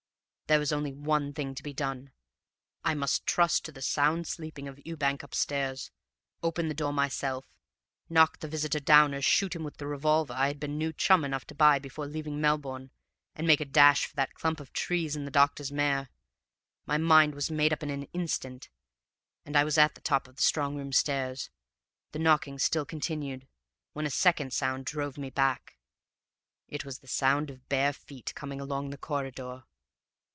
"There was only one thing to be done. I must trust to the sound sleeping of Ewbank upstairs, open the door myself, knock the visitor down, or shoot him with the revolver I had been new chum enough to buy before leaving Melbourne, and make a dash for that clump of trees and the doctor's mare. My mind was made up in an instant, and I was at the top of the strong room stairs, the knocking still continuing, when a second sound drove me back. It was the sound of bare feet coming along a corridor.